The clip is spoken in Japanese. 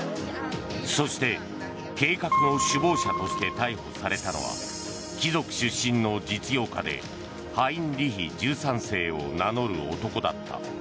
そして計画の首謀者として逮捕されたのは貴族出身の実業家でハインリヒ１３世を名乗る男だった。